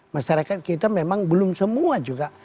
masyarakat kita memang belum semua juga